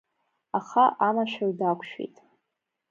Аха амашәыр дақәшәеит…